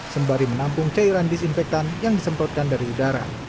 sembari menampung cairan disinfektan yang disemprotkan dari udara